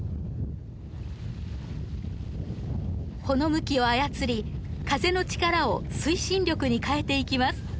帆の向きを操り風の力を推進力に変えていきます。